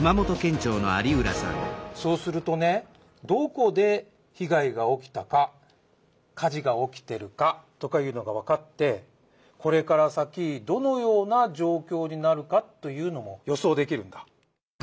そうするとねどこで被害が起きたか火事が起きてるかとかいうのがわかってこれから先どのような状況になるかというのも予想できるんだ。